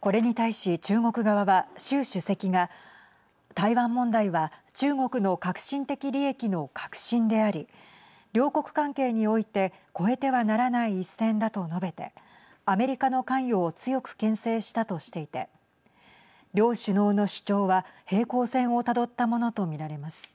これに対し中国側は、習主席が台湾問題は中国の核心的利益の核心であり両国関係において越えてはならない一線だと述べてアメリカの関与を強くけん制したとしていて両首脳の主張は平行線をたどったものと見られます。